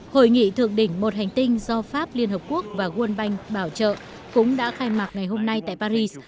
hội nghị thượng đỉnh một hành tinh do pháp liên hợp quốc và world bank bảo trợ cũng đã khai mạc ngày hôm nay tại paris